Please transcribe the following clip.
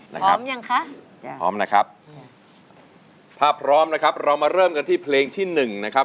นะครับพร้อมนะครับถ้าพร้อมนะครับเรามาเริ่มกันที่เพลงที่๑นะครับ